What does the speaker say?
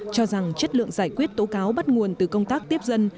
cho rằng chất lượng giải quyết tố cáo bắt nguồn từ công tác tiếp dân